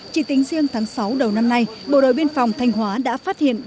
chỉ tính riêng tháng sáu đầu năm nay bộ đội biên phòng thanh hóa đã phát hiện